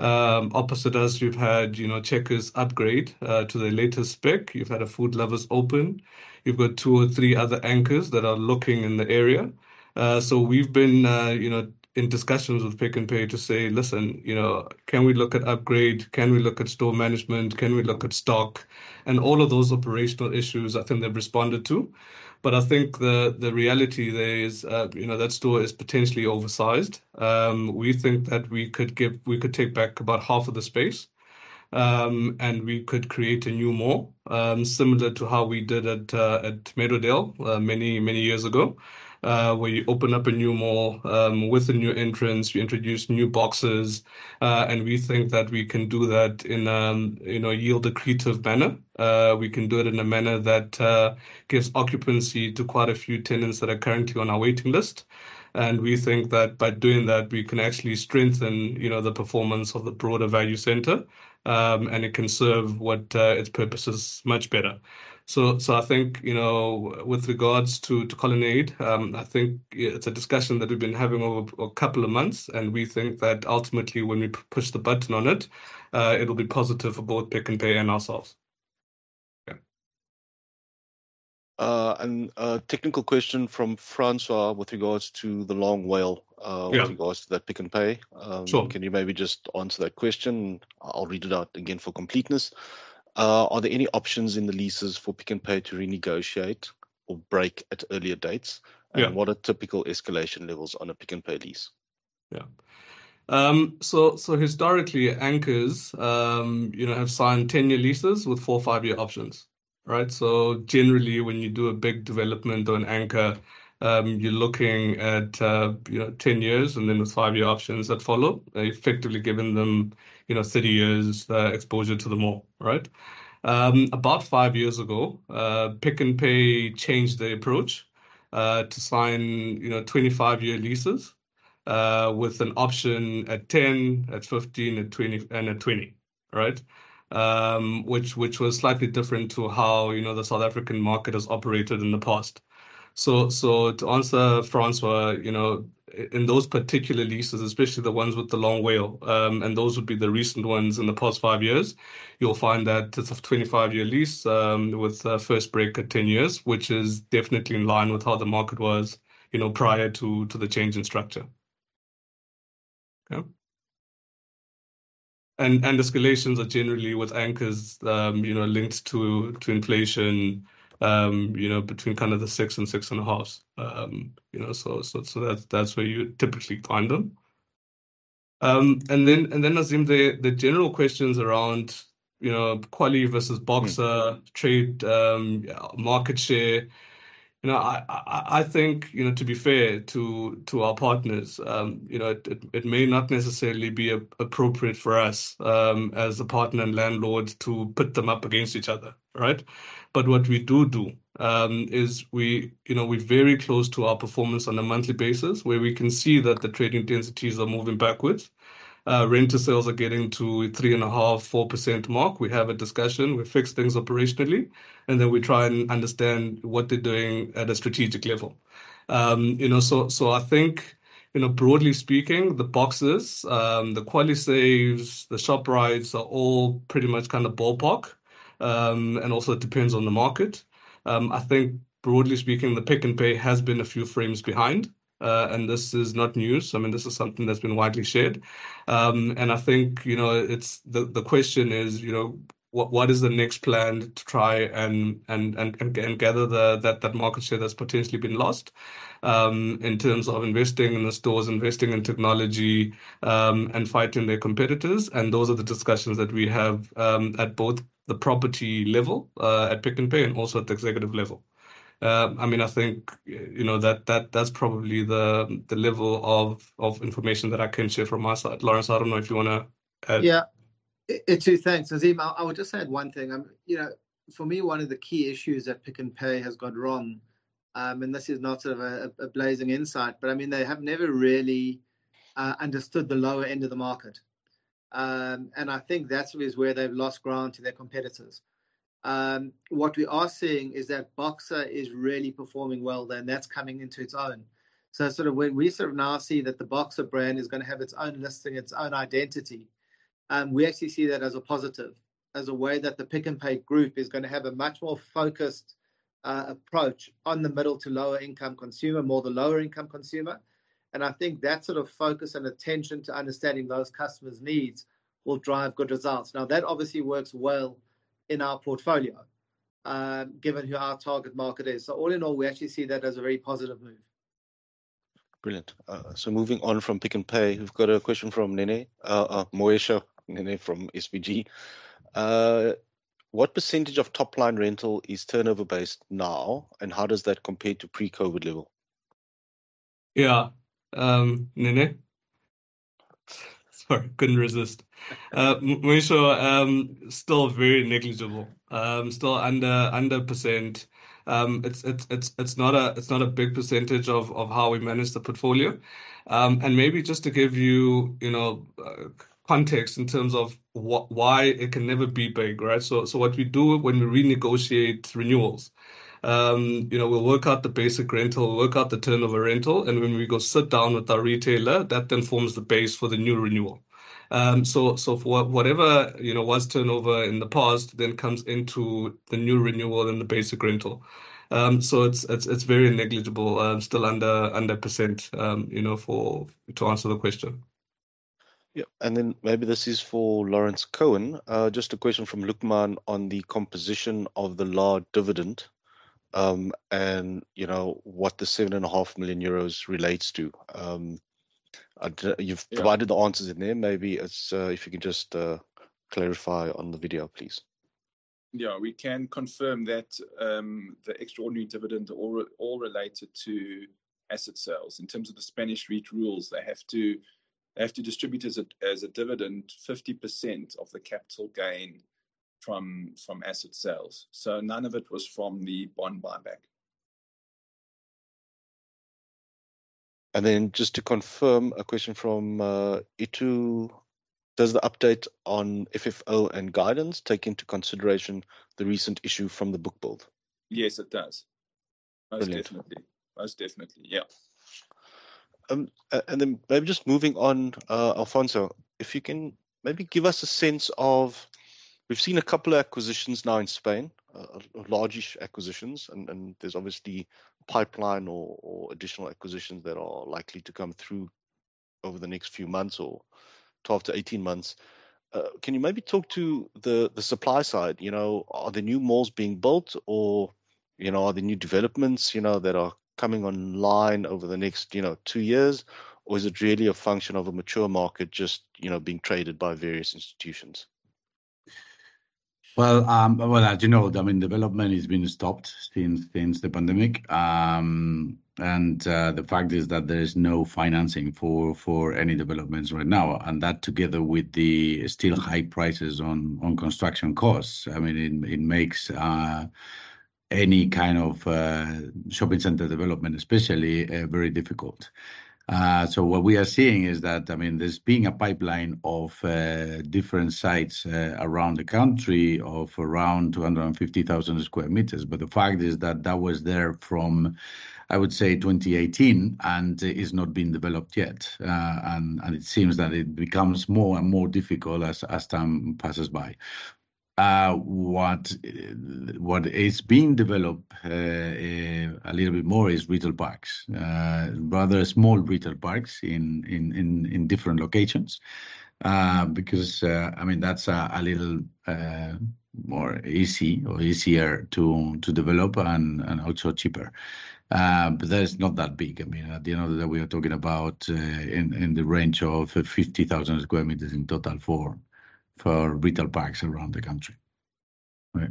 Opposite us, we've had Checkers upgrade to their latest spec. You've had a Food Lovers open. You've got two or three other anchors that are looking in the area. We've been in discussions with Pick n Pay to say, "Listen, can we look at upgrade? Can we look at store management? Can we look at stock?" All of those operational issues I think they've responded to. I think the reality there is that store is potentially oversized. We think that we could take back about half of the space. We could create a new mall, similar to how we did at Meadowdale many years ago, where you open up a new mall, with a new entrance, we introduce new boxes. We think that we can do that in a yield accretive manner. We can do it in a manner that gives occupancy to quite a few tenants that are currently on our waiting list. We think that by doing that, we can actually strengthen the performance of the broader value center. It can serve what its purpose is much better. I think with regards to Colonnade, I think it's a discussion that we've been having over a couple of months. We think that ultimately when we push the button on it'll be positive for both Pick n Pay and ourselves. Yeah. A technical question from Francois with regards to the long WALE. Yeah With regards to that Pick n Pay. Sure. Can you maybe just answer that question? I'll read it out again for completeness. Are there any options in the leases for Pick n Pay to renegotiate or break at earlier dates? Yeah. What are typical escalation levels on a Pick n Pay lease? Yeah. Historically, anchors have signed 10-year leases with four or five-year options. Generally, when you do a big development on anchor, you are looking at 10 years and then the five-year options that follow, effectively giving them 30 years exposure to the mall. About five years ago, Pick n Pay changed their approach, to sign 25-year leases, with an option at 10, at 15, and at 20. Which was slightly different to how the South African market has operated in the past. To answer Francois, in those particular leases, especially the ones with the long WALE, and those would be the recent ones in the past five years, you will find that it is a 25-year lease, with a first break at 10 years, which is definitely in line with how the market was prior to the change in structure. Yeah. Escalations are generally with anchors linked to inflation between kind of the 6% and 6.5%. That is where you would typically find them. Then, Nazim, the general questions around QualiSave versus Boxer, trade market share. I think, to be fair to our partners, it may not necessarily be appropriate for us, as a partner and landlord to pit them up against each other. What we do do, is we are very close to our performance on a monthly basis where we can see that the trading densities are moving backwards. Rent to sales are getting to a 3.5%, 4% mark. We have a discussion, we fix things operationally, then we try and understand what they are doing at a strategic level. Broadly speaking, the Boxers, the QualiSaves, the Shoprites are all pretty much ballpark. Also it depends on the market. I think broadly speaking, the Pick n Pay has been a few frames behind, and this is not news. This is something that has been widely shared. I think the question is, what is the next plan to try and gather that market share that is potentially been lost, in terms of investing in the stores, investing in technology, fighting their competitors. Those are the discussions that we have at both the property level, at Pick n Pay, also at the executive level. I think that is probably the level of information that I can share from my side. Laurence, I do not know if you want to add. Yeah. Itu, thanks. Nazim, I would just add one thing. For me, one of the key issues that Pick n Pay has got wrong, and this is not a blazing insight, but they have never really understood the lower end of the market. I think that is where they have lost ground to their competitors. What we are seeing is that Boxer is really performing well there, and that is coming into its own. When we now see that the Boxer brand is going to have its own listing, its own identity, we actually see that as a positive, as a way that the Pick n Pay group is going to have a much more focused approach on the middle to lower income consumer, more the lower income consumer. I think that sort of focus and attention to understanding those customers' needs will drive good results. That obviously works well in our portfolio, given who our target market is. All in all, we actually see that as a very positive move. Brilliant. Moving on from Pick n Pay, we've got a question from Nene Moesha. Nene from SVG. What % of top-line rental is turnover-based now, and how does that compare to pre-COVID level? Yeah. Nene? Sorry, couldn't resist. Moesha, still very negligible. Still under %. It's not a big % of how we manage the portfolio. Maybe just to give you context in terms of why it can never be big. What we do when we renegotiate renewals, we'll work out the basic rental, work out the turnover rental, and when we go sit down with our retailer, that then forms the base for the new renewal. Whatever was turnover in the past then comes into the new renewal and the basic rental. It's very negligible. Still under %, to answer the question. Yeah. Maybe this is for Laurence Cohen. Just a question from Luqman on the composition of the large dividend, and what the €7.5 million relates to. You've provided the answers in there. Maybe if you could just clarify on the video, please. We can confirm that the extraordinary dividend all related to asset sales. In terms of the Spanish REIT rules, they have to distribute as a dividend 50% of the capital gain from asset sales. None of it was from the bond buyback. Just to confirm a question from Itumeleng. Does the update on FFO and guidance take into consideration the recent issue from the book build? Yes, it does. Brilliant. Most definitely. Maybe just moving on. Alfonso, if you can maybe give us a sense of, we've seen a couple of acquisitions now in Spain, large acquisitions. There's obviously pipeline or additional acquisitions that are likely to come through over the next few months, or 12 to 18 months. Can you maybe talk to the supply side? Are there new malls being built or are there new developments that are coming online over the next two years? Or is it really a function of a mature market just being traded by various institutions? Well, as you know, development has been stopped since the pandemic. The fact is that there is no financing for any developments right now, and that together with the still high prices on construction costs, it makes any kind of shopping center development, especially, very difficult. What we are seeing is that there's been a pipeline of different sites around the country of around 250,000 square meters. The fact is that was there from, I would say 2018, and it's not been developed yet. It seems that it becomes more and more difficult as time passes by. What is being developed a little bit more is retail parks, rather small retail parks in different locations. That's a little more easy or easier to develop and also cheaper. That is not that big. At the end of the day, we are talking about in the range of 50,000 square meters in total for retail parks around the country. Right.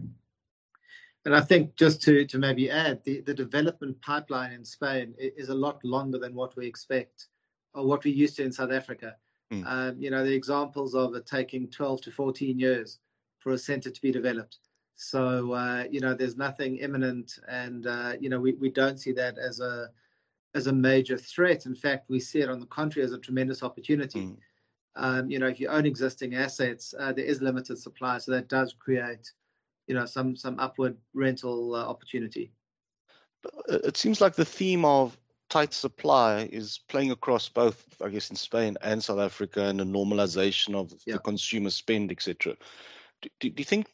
I think just to maybe add, the development pipeline in Spain is a lot longer than what we expect or what we're used to in South Africa. There are examples of it taking 12-14 years for a center to be developed. There's nothing imminent and we don't see that as a major threat. In fact, we see it, on the contrary, as a tremendous opportunity. If you own existing assets, there is limited supply, that does create some upward rental opportunity. It seems like the theme of tight supply is playing across both, I guess, in Spain and South Africa, the normalization of. Yeah the consumer spend, et cetera. Do you think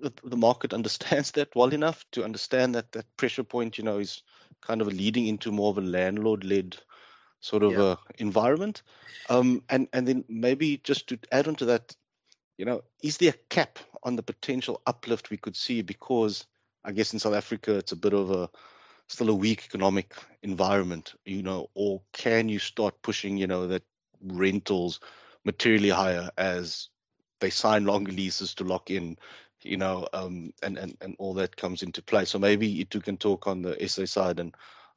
the market understands that well enough to understand that that pressure point is kind of leading into more of a landlord-led sort of a environment? Maybe just to add onto that, is there a cap on the potential uplift we could see? Because I guess in South Africa it's a bit of a still a weak economic environment. Can you start pushing that rentals materially higher as they sign longer leases to lock in, and all that comes into play. Maybe you two can talk on the SA side and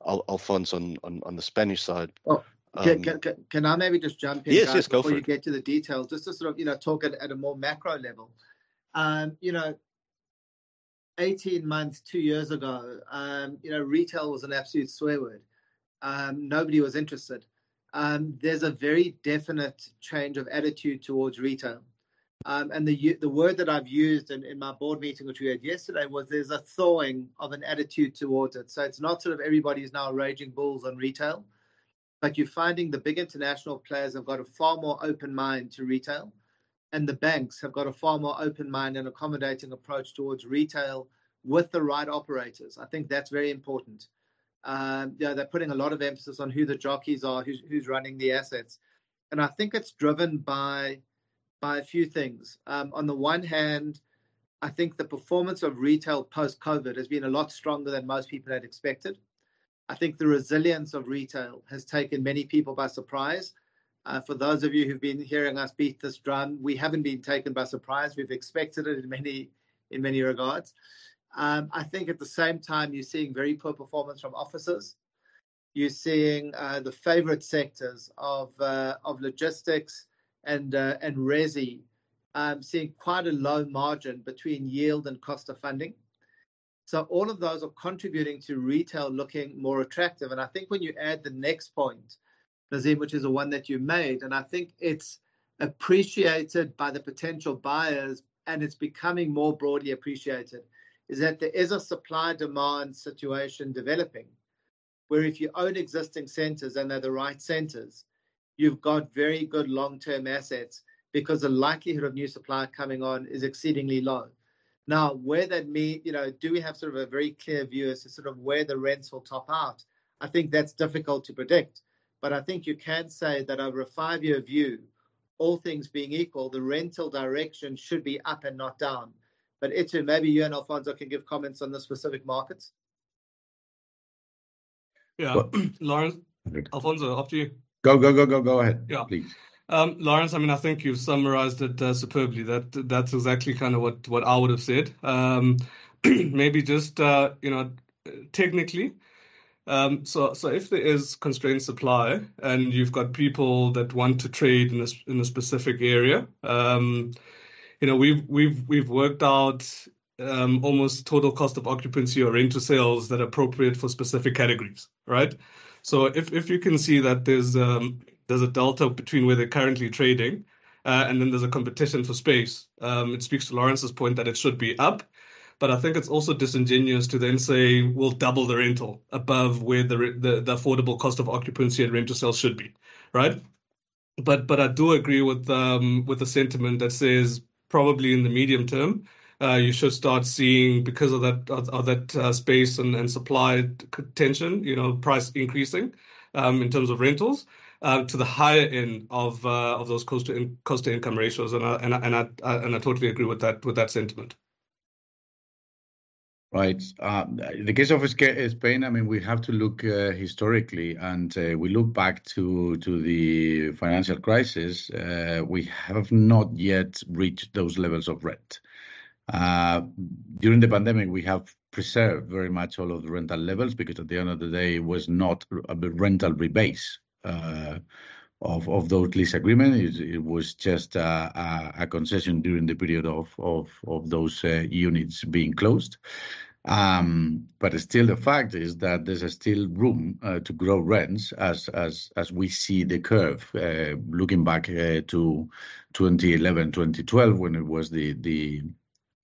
Alfonso on the Spanish side. Oh, can I maybe just jump in, guys? Yes, go for it. Before you get to the details, just to sort of talk at a more macro level. 18 months, two years ago, retail was an absolute swear word. Nobody was interested. There's a very definite change of attitude towards retail. The word that I've used in my board meeting, which we had yesterday, was there's a thawing of an attitude towards it. It's not sort of everybody's now raging bulls on retail, but you're finding the big international players have got a far more open mind to retail. The banks have got a far more open mind and accommodating approach towards retail with the right operators. I think that's very important. They're putting a lot of emphasis on who the jockeys are, who's running the assets. I think it's driven by a few things. On the one hand, I think the performance of retail post-COVID has been a lot stronger than most people had expected. I think the resilience of retail has taken many people by surprise. For those of you who've been hearing us beat this drum, we haven't been taken by surprise. We've expected it in many regards. I think at the same time, you're seeing very poor performance from offices. You're seeing the favorite sectors of logistics and resi seeing quite a low margin between yield and cost of funding. All of those are contributing to retail looking more attractive. I think when you add the next point, Nazim, which is the one that you made, and I think it's appreciated by the potential buyers and it's becoming more broadly appreciated, is that there is a supply-demand situation developing where if you own existing centers and they're the right centers, you've got very good long-term assets because the likelihood of new supply coming on is exceedingly low. Do we have sort of a very clear view as to sort of where the rents will top out? I think that's difficult to predict, but I think you can say that over a five-year view, all things being equal, the rental direction should be up and not down. Itumeleng, maybe you and Alfonso can give comments on the specific markets. Yeah. Laurence, Alfonso, after you. Go ahead, please. Laurence, I think you've summarized it superbly. That's exactly kind of what I would've said. Maybe just, technically, if there is constrained supply and you've got people that want to trade in a specific area, we've worked out almost total cost of occupancy or rent-to-sales that are appropriate for specific categories, right? If you can see that there's a delta between where they're currently trading, and then there's a competition for space, it speaks to Laurence's point that it should be up. I think it's also disingenuous to then say we'll double the rental above where the affordable cost of occupancy and rent-to-sales should be, right? I do agree with the sentiment that says probably in the medium term, you should start seeing, because of that space and supply tension, price increasing in terms of rentals to the higher end of those cost to income ratios, and I totally agree with that sentiment. Right. In the case of Spain, we have to look historically, and we look back to the financial crisis. We have not yet reached those levels of rent. During the pandemic, we have preserved very much all of the rental levels because at the end of the day, it was not a rental rebase of those lease agreements. It was just a concession during the period of those units being closed. Still, the fact is that there's still room to grow rents as we see the curve, looking back to 2011, 2012, when it was the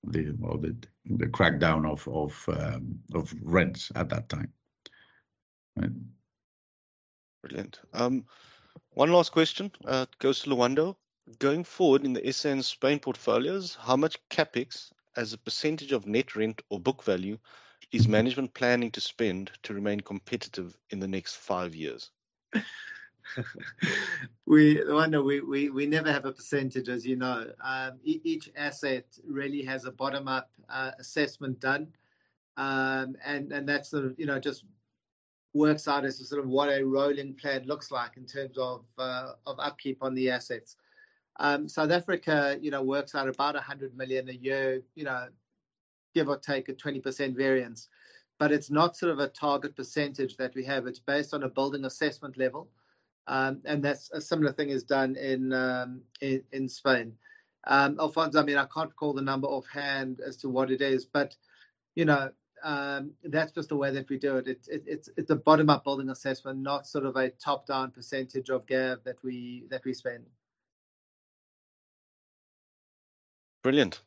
crackdown of rents at that time. Brilliant. One last question. It goes to Lwando. Going forward in the SA and Spain portfolios, how much CapEx as a percentage of net rent or book value is management planning to spend to remain competitive in the next five years? Lwando, we never have a percentage, as you know. Each asset really has a bottom-up assessment done. That sort of just works out as sort of what a rolling plan looks like in terms of upkeep on the assets. South Africa works out about 100 million a year, give or take a 20% variance. It's not sort of a target percentage that we have. It's based on a building assessment level, and that similar thing is done in Spain. Alfonso, I can't call the number offhand as to what it is, but that's just the way that we do it. It's a bottom-up building assessment, not sort of a top-down percentage of GAV that we spend. Brilliant.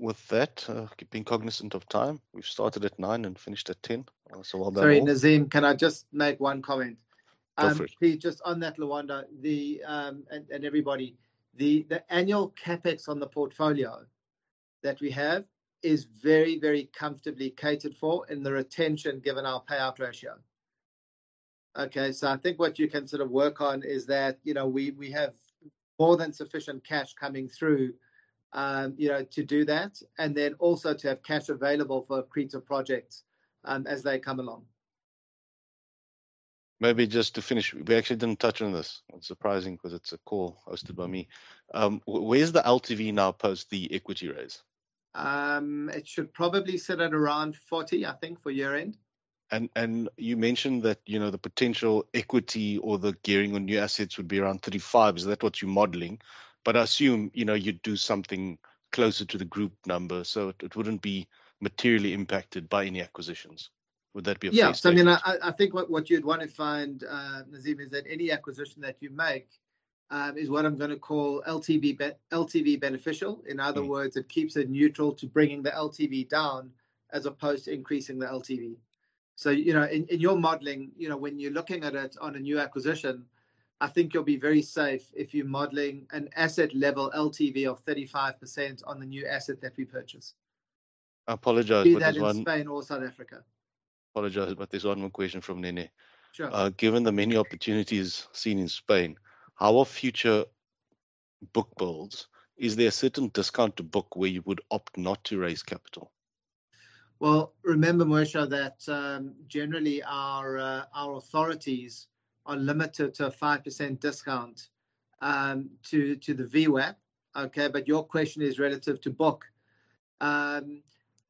With that, being cognizant of time, we've started at 9:00 A.M. and finished at 10:00 A.M. Well done all. Sorry, Nazim, can I just make one comment? Go for it. Just on that, Lwando, and everybody, the annual CapEx on the portfolio that we have is very, very comfortably catered for in the retention, given our payout ratio. Okay, I think what you can work on is that we have more than sufficient cash coming through to do that, and then also to have cash available for accretive projects as they come along. Maybe just to finish, we actually didn't touch on this. It's surprising because it's a call hosted by me. Where's the LTV now post the equity raise? It should probably sit at around 40%, I think, for year-end. You mentioned that the potential equity or the gearing on new assets would be around 35%. Is that what you're modeling? I assume you'd do something closer to the group number, so it wouldn't be materially impacted by any acquisitions. Would that be a fair statement? Yeah. I think what you'd want to find, Nazim, is that any acquisition that you make is what I'm going to call LTV beneficial. In other words, it keeps it neutral to bringing the LTV down as opposed to increasing the LTV. In your modeling, when you're looking at it on a new acquisition, I think you'll be very safe if you're modeling an asset level LTV of 35% on the new asset that we purchase. I apologize, but there's. Be that in Spain or South Africa. I apologize, but there's one more question from Nene. Sure. Given the many opportunities seen in Spain, how are future book builds? Is there a certain discount to book where you would opt not to raise capital? Well, remember, Moesha, that generally our authorities are limited to a 5% discount to the VWAP, okay? Your question is relative to book.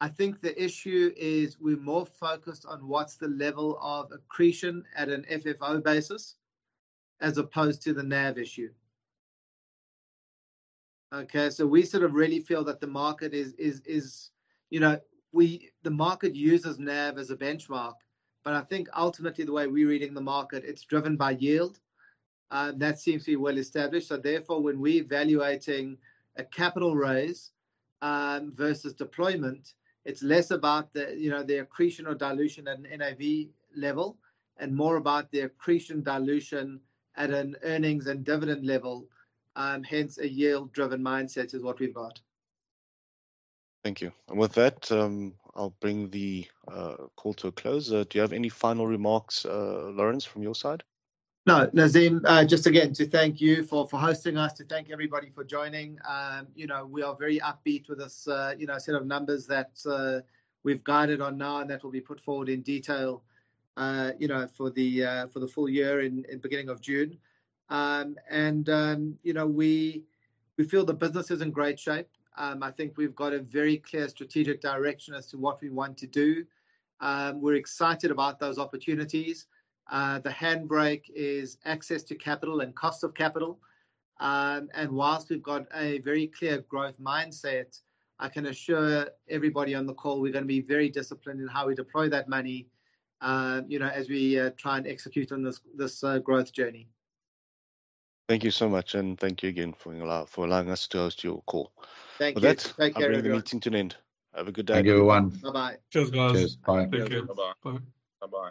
I think the issue is we're more focused on what's the level of accretion at an FFO basis as opposed to the NAV issue. We really feel that the market uses NAV as a benchmark. I think ultimately the way we're reading the market, it's driven by yield. That seems to be well established, therefore, when we're evaluating a capital raise versus deployment, it's less about the accretion or dilution at an NAV level and more about the accretion dilution at an earnings and dividend level, hence a yield-driven mindset is what we've got. Thank you. With that, I'll bring the call to a close. Do you have any final remarks, Laurence, from your side? No, Nazim, just again to thank you for hosting us, to thank everybody for joining. We are very upbeat with this set of numbers that we've guided on now, that will be put forward in detail for the full year in beginning of June. We feel the business is in great shape. I think we've got a very clear strategic direction as to what we want to do. We're excited about those opportunities. The handbrake is access to capital and cost of capital. Whilst we've got a very clear growth mindset, I can assure everybody on the call we're going to be very disciplined in how we deploy that money as we try and execute on this growth journey. Thank you so much, thank you again for allowing us to host your call. Thank you. With that. Thank you, everyone. I'll bring the meeting to an end. Have a good day, everyone. Thank you, everyone. Bye-bye. Cheers, guys. Cheers. Bye. Take care. Bye-bye. Bye. Bye-bye.